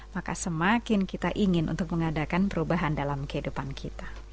maka semakin kita ingin untuk mengadakan perubahan dalam kehidupan kita